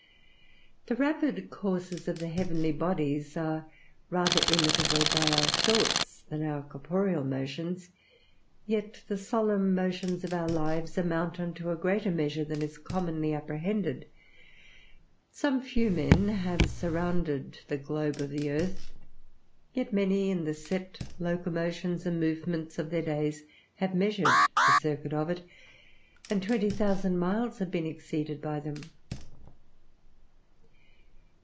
The rapid courses of the heavenly bodies are rather imitable by our thoughts than our corporeal motions; yet the solemn motions of our lives amount unto a greater measure than is commonly apprehended. Some few men have surrounded the globe of the earth; yet many, in the set locomotions and movements of their days, have measured the circuit of it, and twenty thousand miles have been exceeded by them.